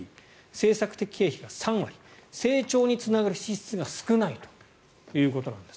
政策的経費は３割成長につながる支出が少ないということです。